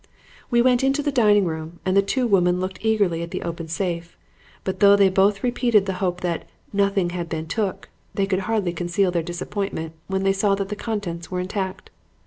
"We went into the dining room and the two women looked eagerly at the open safe; but though they both repeated the hope that 'nothing had been took,' they could hardly conceal their disappointment when they saw that the contents were intact.